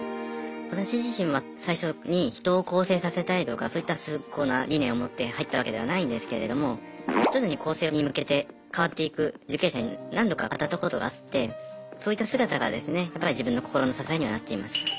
私自身は最初に人を更生させたいとかそういった崇高な理念を持って入ったわけではないんですけれども徐々に更生に向けて変わっていく受刑者に何度か当たったことがあってそういった姿がですねやっぱり自分の心の支えにはなっていました。